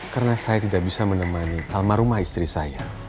karena saya tidak bisa menemani kalmarumah istri saya